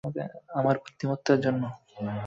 আমার বুদ্ধিমত্তার জন্য?